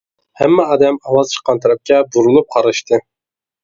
ھەممە ئادەم ئاۋاز چىققان تەرەپكە بۇرۇلۇپ قاراشتى.